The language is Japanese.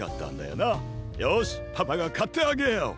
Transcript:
よしパパがかってあげよう。